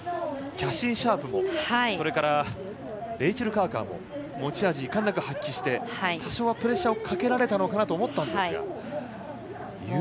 キャシー・シャープもそれからレイチェル・カーカーも持ち味いかんなく発揮して多少はプレッシャーをかけられたのかなと思ったんですが。